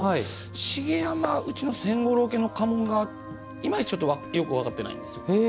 茂山千五郎家の家紋がいまいち、ちょっとよく分かってないんですよ。